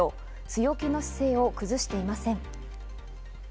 強気の姿勢を崩していません。